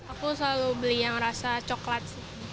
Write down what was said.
aku selalu beli yang rasa coklat